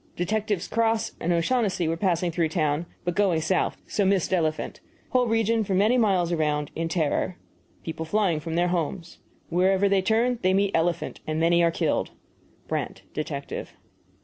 Detectives Cross and O'Shaughnessy were passing through town, but going south so missed elephant. Whole region for many miles around in terror people flying from their homes. Wherever they turn they meet elephant, and many are killed. BRANT, Detective.